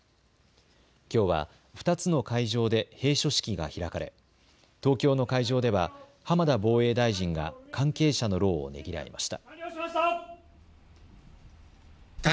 きょうは２つの会場で閉所式が開かれ東京の会場では浜田防衛大臣が関係者の労をねぎらいました。